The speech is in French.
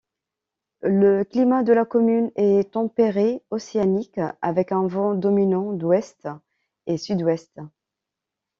Le climat de la commune est tempéré océanique avec vent dominant d'ouest et sud-ouest.